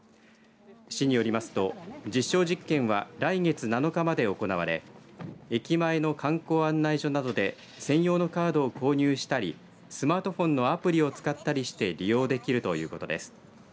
市によりますと実証実験は来月７日まで行われ駅前の観光案内所などで専用のカードを購入したりスマートフォンのアプリを使ったりして利用できるということです。